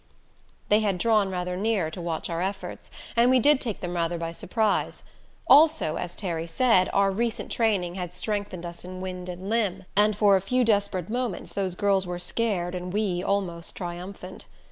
They had drawn rather nearer to watch our efforts, and we did take them rather by surprise; also, as Terry said, our recent training had strengthened us in wind and limb, and for a few desperate moments those girls were scared and we almost triumphant.